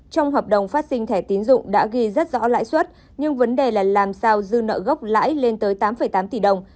trong hợp đồng phát sinh thẻ tiến dụng đã ghi rất rõ lãi suất nhưng vấn đề là làm sao dư nợ gốc lãi lên tới tám tám tỷ đồng